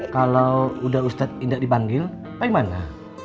kalau ustaz udah tidak dipanggil bagaimana